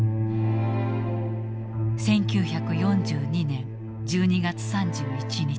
１９４２年１２月３１日。